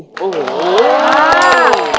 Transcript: โอ้โหมาก